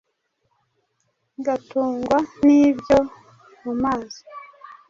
igatungwa n’ibyo mu mazi